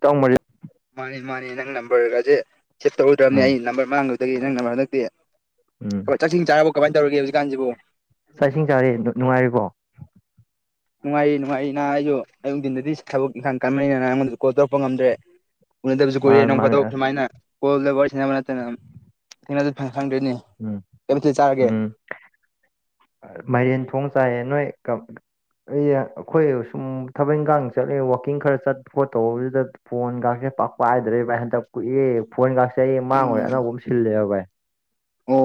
ꯇꯉ ꯃ [inaudible] ꯃꯥꯅꯦ ꯃꯥꯅꯦ ꯅꯪ ꯅꯝꯕꯔꯒꯁꯦ ꯁꯦꯞ ꯇꯧꯔꯨꯗ꯭ꯔꯕꯅꯦ ꯎꯝ ꯑꯩ ꯅꯝꯕꯔ ꯃꯥꯡꯉꯨꯗꯒꯤ ꯅꯪ ꯅꯝꯕꯔ ꯍꯟꯗꯛꯇꯤ ꯎꯝ ꯆꯥꯛ ꯢꯁꯤꯡ ꯆꯔꯕꯣ ꯀꯃꯥꯏ ꯇꯧꯔꯤꯒꯦ ꯍꯧꯖꯤꯛꯥꯟꯁꯤꯕꯨ ꯆꯥꯛ ꯢꯁꯤꯡ ꯆꯥꯔꯦ ꯅꯨꯡꯉꯥꯏꯔꯤꯕꯣ ꯅꯨꯡꯉꯥꯏꯔꯤ ꯅꯨꯡꯉꯥꯏꯔꯤ ꯅ ꯑꯩꯁꯨ ꯑꯌꯨꯛ ꯅꯨꯡꯊꯤꯟꯗꯤ ꯊꯕꯛ ꯏꯟꯈꯥꯡ ꯀꯟꯕꯅꯤ ꯅꯉꯣꯟꯗ ꯀꯣꯜ ꯇꯧꯔꯛꯄ ꯉꯝꯗ꯭ꯔꯦ ꯎꯅꯗꯕꯁꯨ ꯀꯨꯏꯔꯦ ꯃꯥꯅꯦ ꯅꯣꯡ ꯃꯥꯅꯦ ꯐꯥꯗꯣꯛꯁꯨ ꯑꯁ ꯁꯨꯃꯥꯏꯅ ꯀꯣꯜꯗ ꯋꯥꯔꯤ ꯁꯅꯕ ꯅꯠꯇꯅ ꯊꯦꯟꯅꯕꯁꯨ ꯎꯝ ꯎꯝ ꯃꯥꯏꯔꯦꯟ ꯊꯣꯡ ꯆꯥꯏꯌꯦ ꯅꯣꯏ ꯑꯩ ꯑꯩꯈꯣꯏ ꯁꯨꯝ ꯊꯕꯛ ꯏꯪꯈꯥꯡ ꯆꯠꯂꯤ ꯋꯥꯛꯀꯤꯡ ꯈꯔ ꯆꯠꯄ ꯈꯣꯠꯇꯧꯕꯗꯨꯗ ꯐꯣꯟꯒꯁꯦ ꯄꯥꯛꯄꯥꯏꯗ꯭ꯔꯦ ꯚꯥꯏ ꯍꯟꯗꯛ ꯀꯨꯏ ꯐꯣꯟꯒꯥꯁꯦ ꯑꯩ ꯃꯥꯡꯉꯨꯔꯦ ꯎꯝ ꯑꯅꯧꯕ ꯑꯃ ꯁꯤꯜꯂꯦꯕ ꯚꯥꯏ ꯑꯣ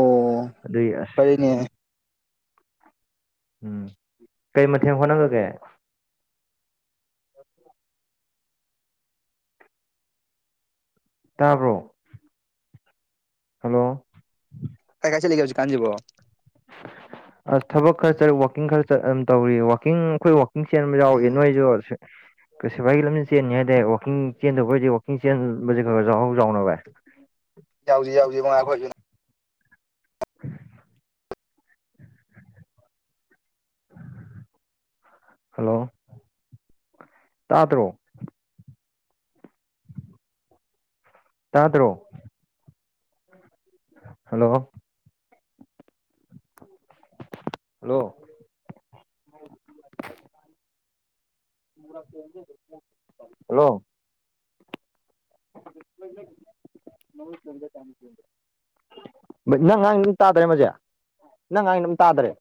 ꯑꯗꯨꯢ ꯐꯔꯦꯅꯦ ꯎꯝ ꯀꯩ ꯃꯊꯦꯡ ꯍꯣꯠꯅꯔꯒꯦ ꯇꯥꯕ꯭ꯔꯣ ꯍꯜꯂꯣ ꯀꯥꯏ ꯀꯥꯢ ꯆꯠꯂꯤ ꯍꯧꯖꯤꯛꯀꯟꯁꯤꯕꯨ ꯑꯁ ꯊꯕꯛ ꯈꯔ ꯆꯠ ꯋꯥꯛꯀꯤꯡ ꯈꯔ ꯑꯗꯨꯝ ꯇꯧꯔꯤ ꯋꯥꯋꯥꯛꯀꯤꯡ ꯑꯩꯈꯣꯏ ꯋꯥꯛꯀꯤꯡ ꯆꯦꯟꯕ ꯌꯥꯎꯔꯤ ꯎꯝ ꯅꯣꯏꯁꯨ ꯀꯩ ꯁꯐꯏꯒꯤ ꯂꯝꯖꯦꯟ ꯆꯦꯟꯅꯤ ꯍꯥꯏꯗꯥꯢ ꯋꯥꯛꯀꯤꯡ ꯆꯦꯟꯗꯧꯕ ꯑꯣꯢꯔꯗꯤ ꯋꯥꯛꯀꯤꯡ ꯆꯦꯟꯕꯁꯤ ꯈꯔ ꯈꯔ ꯌꯥꯎꯅ ꯚꯥꯢ ꯌꯥꯎꯖꯤ ꯌꯥꯎꯉꯒꯈꯣꯏ [inaudible] [unintelligible] ꯍꯜꯂꯣ ꯇꯥꯇ꯭ꯔꯣ ꯇꯥꯗ꯭ꯔꯣ ꯍꯜꯂꯣ ꯍꯜꯂꯣ ꯍꯜꯂꯣ ꯗ ꯀ [inaudible] ꯅꯪ ꯉꯥꯡꯢꯗꯣ ꯑꯝ ꯇꯥꯗ꯭ꯔꯦ ꯑꯃꯁꯦ ꯅꯪ ꯉꯥꯡꯢꯗꯣ ꯑꯝ ꯇꯥꯗꯔꯦ